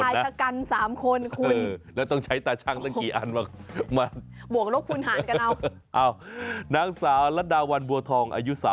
คือปกติไม่ได้ใหญ่ขนาดนี้นั้น